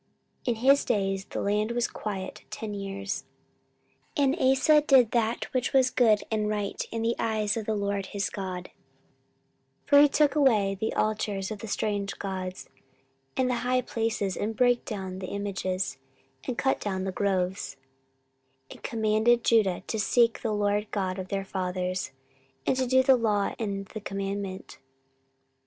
In his days the land was quiet ten years. 14:014:002 And Asa did that which was good and right in the eyes of the LORD his God: 14:014:003 For he took away the altars of the strange gods, and the high places, and brake down the images, and cut down the groves: 14:014:004 And commanded Judah to seek the LORD God of their fathers, and to do the law and the commandment.